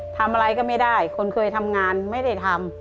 ทำอะไรก็ไม่ได้คนเคยทำงานไม่ได้ทำ